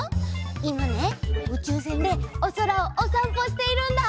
いまねうちゅうせんでおそらをおさんぽしているんだ！